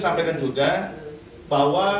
sampaikan juga bahwa